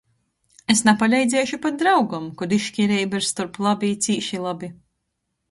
Es napaleidziešu pat draugam, kod izškireiba ir storp labi i cīši labi.